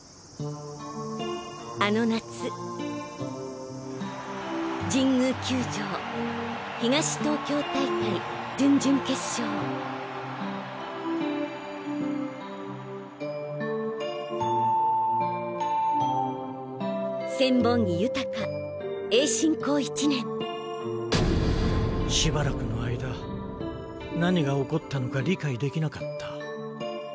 あの夏神宮球場東東京大会準々決勝千本木豊栄新高１年しばらくの間何が起こったのか理解できなかった。